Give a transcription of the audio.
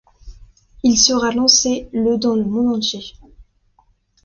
Il sera lancée le dans le monde entier.